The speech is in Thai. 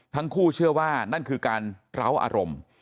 ทั้งคู่เชื่อว่านั่นคือการราวอารมณ์